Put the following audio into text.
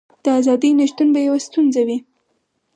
د ازادۍ نشتون به یوه ستونزه وي.